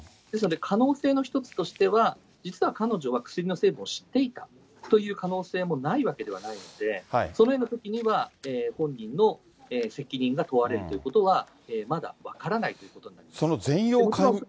ですので可能性の一つとしては、実は彼女は薬の成分を知っていたという可能性もないわけではないので、そのようなときには、本人の責任が問われるということは、まだ分からないということにその全容解明は。